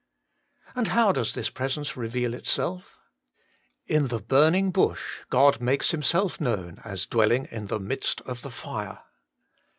2. And how does this Presence reveal itself ? In the burning bush God makes Himself known as dwelling in the midst of the fire.